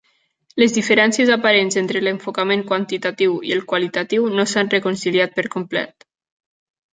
Les diferències aparents entre l'enfocament quantitatiu i el qualitatiu no s'han reconciliat per complet.